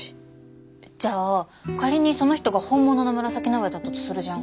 じゃあ仮にその人が本物の紫の上だったとするじゃん。